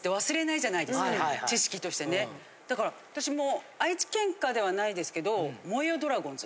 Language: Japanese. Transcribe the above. だから私も。